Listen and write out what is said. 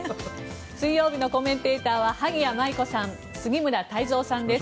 水曜日のコメンテーターは萩谷麻衣子さん杉村太蔵さんです。